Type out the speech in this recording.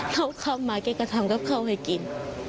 เข้ามาแกก็ทำกับข้าวให้กิน